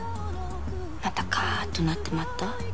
またカーッとなってまった？